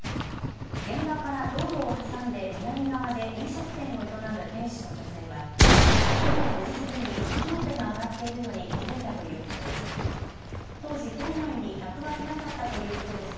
現場から道路を挟んで南側で飲食店を営む店主の女性は午後５時過ぎに火の手が上がっているのに気付いたということです。